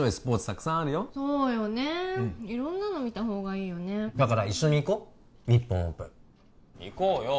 たくさんあるよそうよね色んなの見た方がいいよねだから一緒に行こう日本オープン行こうよ